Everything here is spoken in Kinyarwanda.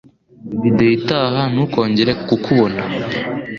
video itaha Ntukongere kukubona